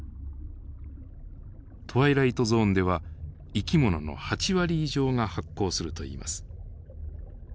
トワイライトゾーンでは生き物の８割以上が発光するといいます。